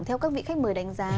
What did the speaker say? theo các vị khách mời đánh giá